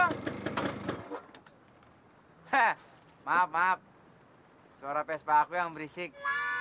hah maaf maaf suara pespa aku yang berisik